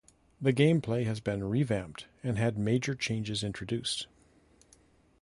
The gameplay has been revamped and had major changes introduced.